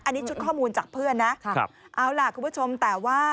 อันนี้ชุดข้อมูลจากเพื่อนนะครับเอาล่ะคุณผู้ชมแต่ว่า